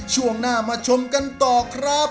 ช่วงหน้ามาชมกันต่อครับ